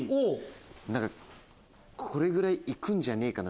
だからこれぐらい行くんじゃねえかな？